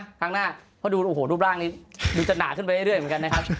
ในครั้งหน้าเพราะดูรูปร่างนี้ดูจะหนาขึ้นไปได้ด้วยเหมือนกันนะครับ